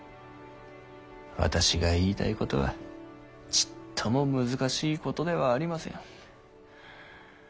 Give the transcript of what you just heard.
私が言いたいことはちっとも難しいことではありません。